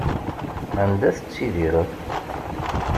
Anda tettttidiṛeḍ?